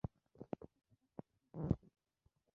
কত টাকা চাও?